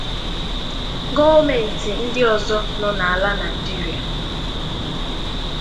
gọọmentị ndị ọzọ nọ n'ala Nigeria